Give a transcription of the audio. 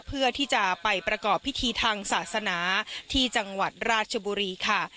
เพื่อที่จะไปประกอบพิธีทางศาสนาที่จังหวัดราชบุรีค่ะ